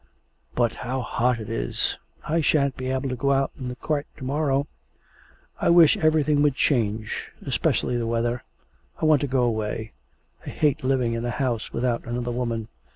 'But how hot it is; I shan't be able to go out in the cart to morrow. ... I wish everything would change, especially the weather. I want to go away. I hate living in a house without another woman.